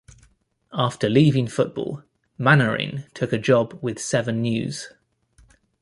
After leaving football, Mainwaring took a job with Seven News.